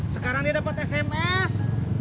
sekarang dia dapat sms